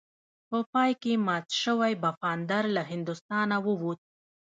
په پای کې مات شوی پفاندر له هندوستانه ووت.